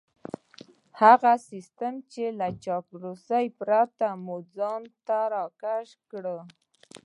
هغه سيستم چې له چاپلوسۍ پرته مو ځان ته راکش کړي.